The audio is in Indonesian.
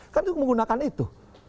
kan itu menggunakan itu